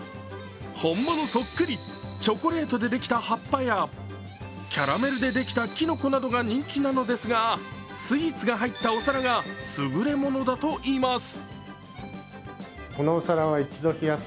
本物そっくり、チョコレートでできた葉っぱやキャラメルでできたきのこなどが人気なのですがスイーツが入ったお皿が優れものだといいます。